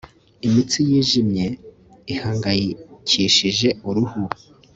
Imitsi yijimye ihangayikishije uruhu